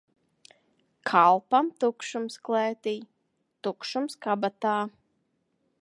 Kalpam tukšums klētī, tukšums kabatā.